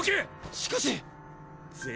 しかしっ！